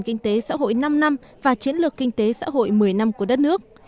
kinh tế xã hội năm năm và chiến lược kinh tế xã hội một mươi năm của đất nước